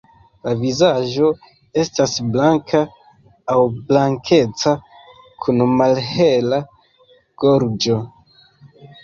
La vizaĝo estas blanka aŭ blankeca kun malhela gorĝo.